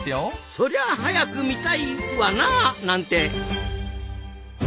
そりゃ早く見たいワナなんて。